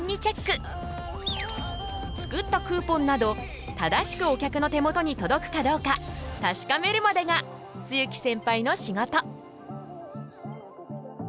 作ったクーポンなど正しくお客の手元に届くかどうか確かめるまでが露木センパイの仕事。